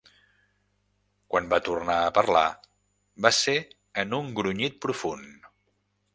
Quan va tornar a parlar, va ser en un grunyit profund.